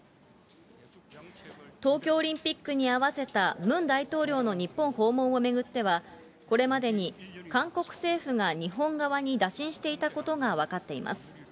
東京オリンピックに合わせたムン大統領の日本訪問を巡っては、これまでに韓国政府が日本側に打診していたことが分かっています。